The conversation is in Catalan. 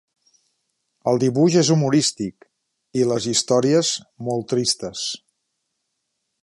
El dibuix és humorístic i, les històries, molt tristes.